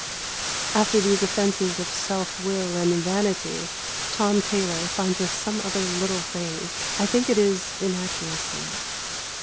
After these offences of self will and vanity Tom Taylor finds us some other little thing I think it is inaccuracy.